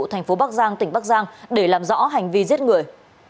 thành phố bắc giang tỉnh bắc giang để làm rõ hành vi giết người